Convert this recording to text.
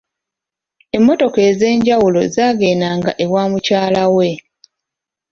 Emmotoka ez'enjawulo zaagendanga ewa mukyala we.